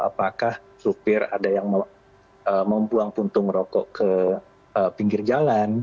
apakah supir ada yang membuang puntung rokok ke pinggir jalan